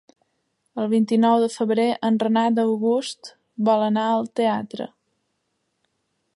El vint-i-nou de febrer en Renat August vol anar al teatre.